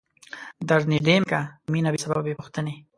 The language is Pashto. در نیژدې می که په مینه بې سببه بې پوښتنی